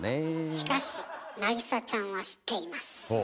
しかし凪咲ちゃんは知っています。